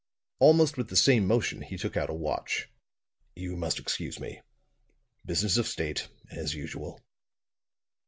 Almost with the same motion he took out a watch. "You must excuse me. Business of state, as usual."